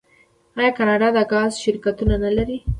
آیا کاناډا د ګاز شرکتونه نلري؟